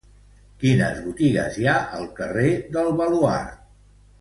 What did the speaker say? Quines botigues hi ha al carrer del Baluard?